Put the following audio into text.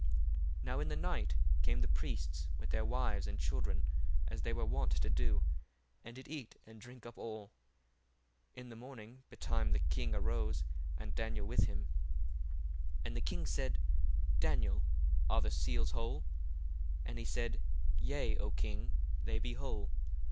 1:15 Now in the night came the priests with their wives and children, as they were wont to do, and did eat and drinck up all. 1:16 In the morning betime the king arose, and Daniel with him. 1:17 And the king said, Daniel, are the seals whole? And he said, Yea, O king, they be whole.